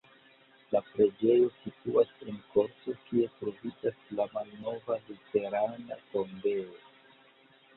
La preĝejo situas en korto, kie troviĝas la malnova luterana tombejo.